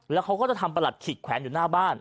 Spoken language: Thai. แล้วเขาก็จะทำประหลัดขิกแขวนอยู่หน้าบ้าน